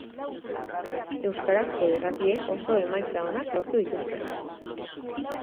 Euskarazko irratiek oso emaitza onak lortu dituzte.